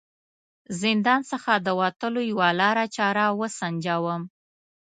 زندان څخه د وتلو یوه لاره چاره و سنجوم.